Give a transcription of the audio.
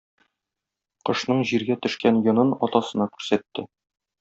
Кошның җиргә төшкән йонын атасына күрсәтте.